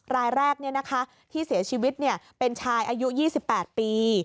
รายแรกที่เสียชีวิตเป็นชายอายุ๒๘ปี